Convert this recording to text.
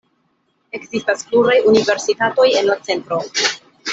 Ekzistas pluraj universitatoj en la centro.